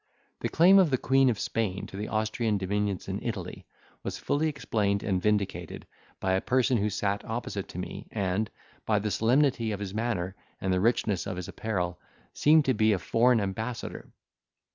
The claim of the Queen Of Spain to the Austrian dominions in Italy was fully explained and vindicated, by a person who sat opposite to me, and, by the solemnity of his manner and the richness of his apparel, seemed to be a foreign ambassador.